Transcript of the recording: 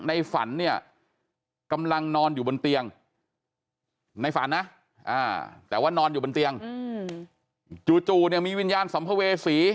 ในฝันเนี่ยกำลังนอนอยู่บนเตียงในฝันนะแต่ว่านอนอยู่บนเตียงจู่เนี่ยมีวิญญาณสัมภเวษี